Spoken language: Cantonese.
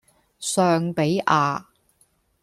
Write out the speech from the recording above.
尚比亞